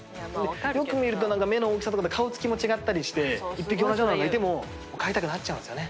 よく見ると目の大きさとか顔つきも違ったりして１匹同じようなのがいても飼いたくなっちゃうんですよね